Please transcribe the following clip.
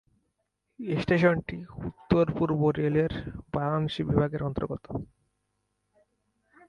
স্টেশনটি উত্তর-পূর্ব্ব রেল এর বারাণসী বিভাগের অন্তর্গত।